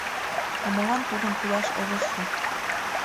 «А молан тудым кудаш огеш шу?